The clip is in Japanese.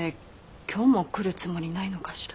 今日も来るつもりないのかしら？